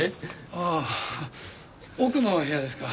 ああ奥の部屋ですか。